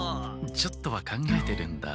ちょっとは考えてるんだ。